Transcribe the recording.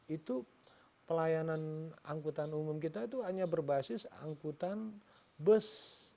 itu pelayanan angkutan umum kita itu hanya berbasis angkutan bus